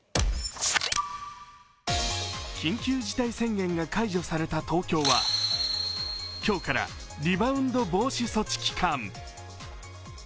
緊急事態宣言が解除された東京は今日からリバウンド防止措置期間。